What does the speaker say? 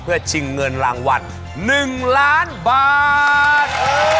เพื่อชิงเงินรางวัล๑ล้านบาท